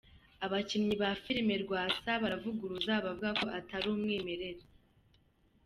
Abakinnye filimi Rwasa baravuguruza abavuga ko atari umwimerere